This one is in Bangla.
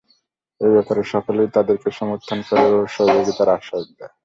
এ ব্যাপারে সকলেই তাদেরকে সমর্থন করে ও সহযোগিতার আশ্বাস দেয়।